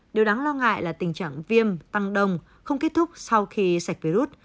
điều đáng lo ngại là tình trạng viêm tăng đông không kết thúc sau khi sạch virus